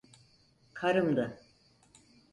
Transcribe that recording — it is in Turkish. Karımdı…